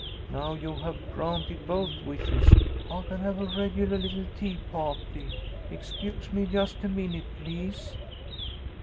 Now you have granted both wishes. I can have a regulah little tea pah'ty. Excuse me just a minute, please."